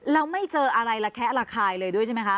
แล้วไม่เจออะไรระแคะระคายเลยด้วยใช่ไหมคะ